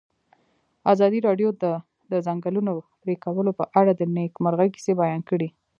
ازادي راډیو د د ځنګلونو پرېکول په اړه د نېکمرغۍ کیسې بیان کړې.